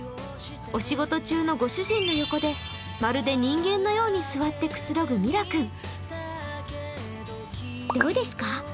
お仕事中のご主人の横でまるで人間のように座ってくつろぐミラ君。